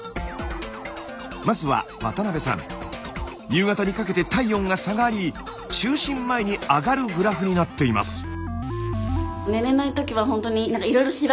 まずは夕方にかけて体温が下がり就寝前に上がるグラフになっています。